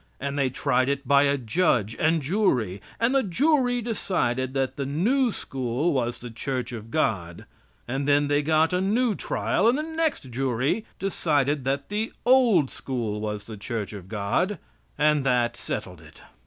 And they tried it by a judge and jury, and the jury decided that the new school was the Church of God, and then they got a new trial, and the next jury decided that the old school was the Church of God, and that settled it.